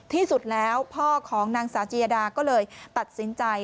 ที่สุดแล้วพ่อของนางสาวจียดาก็เลยตัดสินใจ